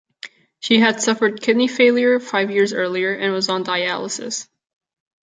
She had suffered kidney failure five years earlier and was on dialysis.